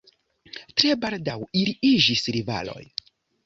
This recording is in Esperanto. Tre baldaŭ ili iĝis rivaloj.